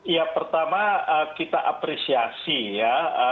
ya pertama kita apresiasi ya